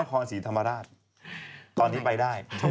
นครศรีธรรมราชตอนนี้ไปได้